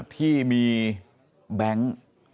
ที่มีแบงค์